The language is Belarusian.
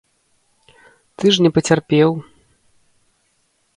Ты ж не пацярпеў.